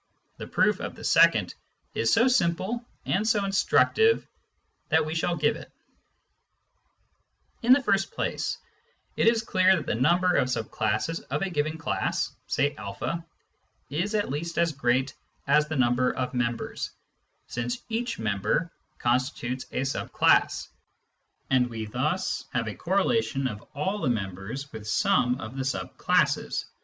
The proof of the second is so simple and so instructive that we shall give it : In the first place, it is clear that the number of sub classes of a given class (say a) is at least as great as the number of members, since each member constitutes a sub class, and we thus have a correlation of all the members with some of the sub classes.